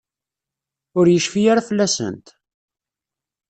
Ur yecfi ara fell-asent?